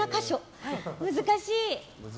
難しい。